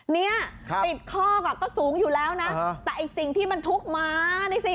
เนี่ยติดคอกก็สูงอยู่แล้วนะแต่ไอ้สิ่งที่มันทุกข์มานี่สิ